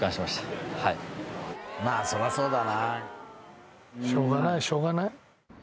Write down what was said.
そりゃそうだなしょうがないしょうがない